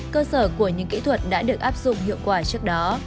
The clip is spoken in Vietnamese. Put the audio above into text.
cơ sở của những kỹ thuật đã được áp dụng hiệu quả trước đó